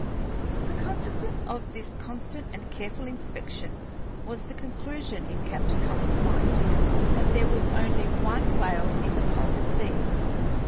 The consequence of this constant and careful inspection was the conclusion in Captain Hubbell's mind that there was only one whale in the polar sea.